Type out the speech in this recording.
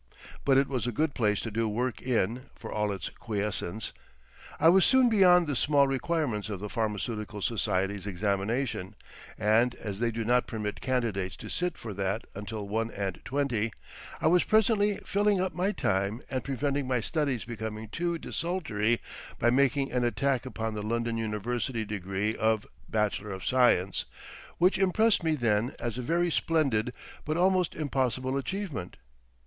But it was a good place to do work in, for all its quiescence. I was soon beyond the small requirements of the Pharmaceutical Society's examination, and as they do not permit candidates to sit for that until one and twenty, I was presently filling up my time and preventing my studies becoming too desultory by making an attack upon the London University degree of Bachelor of Science, which impressed me then as a very splendid but almost impossible achievement.